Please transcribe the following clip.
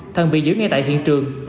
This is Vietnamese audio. thần bị giữ ngay tại hiện trường